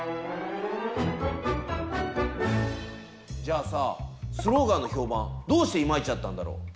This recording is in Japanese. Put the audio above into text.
じゃあさスローガンの評判どうしてイマイチだったんだろ？